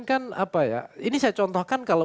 kan apa ya ini saya contohkan kalau